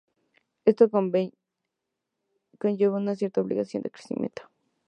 Esto conlleva una cierta obligación de crecimiento.